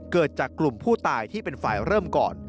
เกิดจากกลุ่มผู้ตายที่เป็นฝ่ายเริ่มก่อน